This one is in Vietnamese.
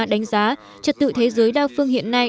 đánh giá trật tự thế giới đa phương hiện nay